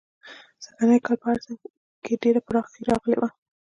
سږنی کال په هر څه کې ډېره پراخي راغلې وه.